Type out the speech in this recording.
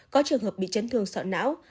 có trường hợp bị chấn thương sọ não